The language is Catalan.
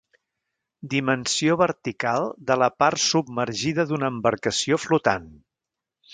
Dimensió vertical de la part submergida d'una embarcació flotant.